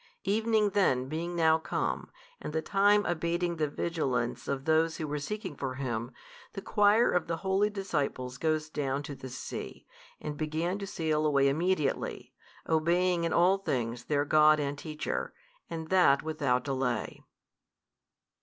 Evening then being now come, and the time abating the vigilance of those who were seeking for Him, the choir of the holy disciples goes down to the sea, and began to sail away immediately, obeying in all things their God and Teacher, and that without delay.